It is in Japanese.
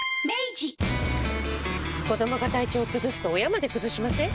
子どもが体調崩すと親まで崩しません？